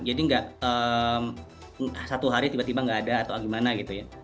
jadi nggak satu hari tiba tiba nggak ada atau gimana gitu ya